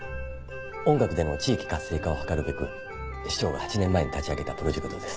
音楽での地域活性化を図るべく市長が８年前に立ち上げたプロジェクトです。